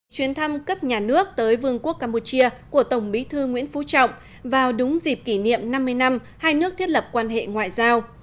chuyến thăm cấp nhà nước tới vương quốc campuchia của tổng bí thư nguyễn phú trọng vào đúng dịp kỷ niệm năm mươi năm hai nước thiết lập quan hệ ngoại giao